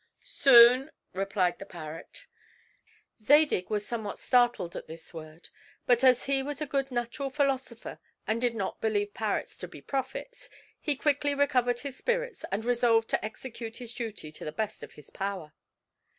"Soon," replied the parrot. Zadig was somewhat startled at this word. But as he was a good natural philosopher and did not believe parrots to be prophets, he quickly recovered his spirits and resolved to execute his duty to the best of his power.